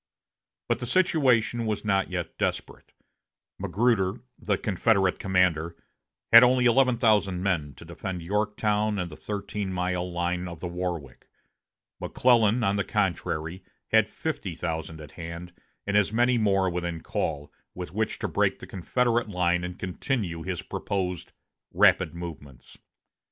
But the situation was not yet desperate. Magruder, the Confederate commander, had only eleven thousand men to defend Yorktown and the thirteen mile line of the Warwick. McClellan, on the contrary, had fifty thousand at hand, and as many more within call, with which to break the Confederate line and continue his proposed "rapid movements."